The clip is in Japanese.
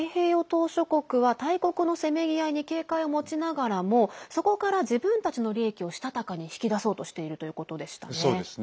島しょ国は大国のせめぎ合いに警戒を持ちながらもそこから自分たちの利益をしたたかに引き出そうとしているということでしたね。